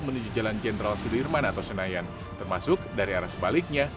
menuju jalan jenderal sudirman atau senayan termasuk dari arah sebaliknya